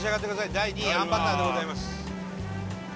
第２位あんバターでございます